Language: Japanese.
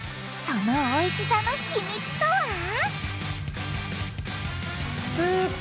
そのおいしさのヒミツとは？